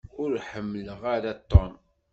Ur ḥemmleɣ ara Tom.